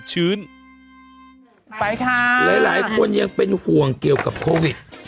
ไปค่ะหลายคนยังเป็นห่วงเกี่ยวกับโควิด